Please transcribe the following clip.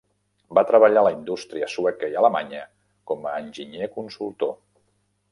Va treballar a la indústria sueca i alemanya com a enginyer consultor.